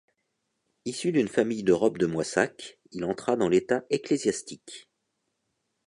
Issu d'une famille de robe de Moissac, il entra dans l'état ecclésiastique.